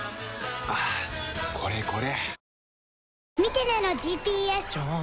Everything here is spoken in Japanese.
はぁこれこれ！